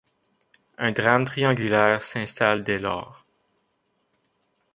Un drame triangulaire s'installe dès lors…